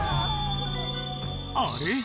あれ？